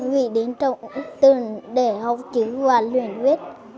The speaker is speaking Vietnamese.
vì đến trường để học chữ và luyện viết